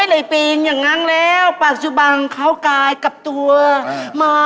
โอเคปลอดภัยมันสิวะ